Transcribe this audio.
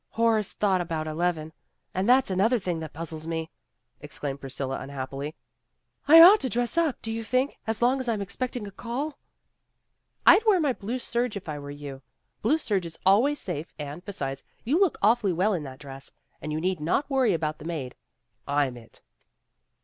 Horace thought about eleven. And that's another 1 thing that puzzles me, '' exclaimed Priscilla un happily. "Ought I to dress up, do you think, as long as I'm expecting a call?" "I'd wear my blue serge, if I were you. Blue serge is always safe and, besides, you look awfully well in that dress. And you need not worry about the maid. I'm it."